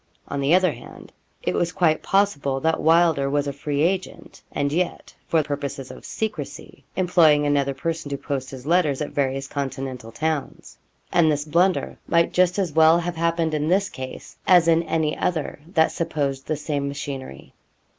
On the other hand, it was quite possible that Wylder was a free agent, and yet, for purposes of secrecy, employing another person to post his letters at various continental towns; and this blunder might just as well have happened in this case, as in any other that supposed the same machinery.